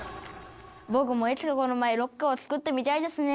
僕もいつかこのマイロッカーを作ってみたいですね。